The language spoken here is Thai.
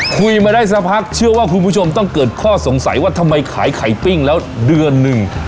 คุยมาได้สักพักเชื่อว่าคุณผู้ชมต้องเกิดข้อสงสัยว่าทำไมขายไข่ปิ้งแล้วเดือนหนึ่ง